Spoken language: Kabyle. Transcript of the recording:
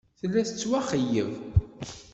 Tella tettwaxeyyeb.